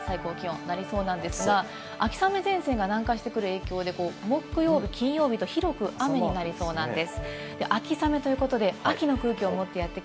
きょうあすは東京も３３度から３４度ぐらいに最高気温なりそうなんですが、秋雨前線が南下してくる影響で、木曜日、金曜日と広く雨になりそうなんです。